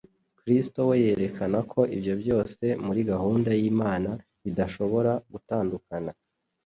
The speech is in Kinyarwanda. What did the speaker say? Kristo we yerekana ko ibyo byose, muri gahunda y'Imana bidashobora gutandukana,